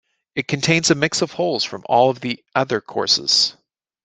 It contains a mix of holes from all of the other courses.